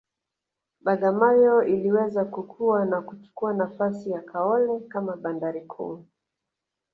Bagamoyo iliweza kukua na kuchukua nafasi ya Kaole kama bandari kuu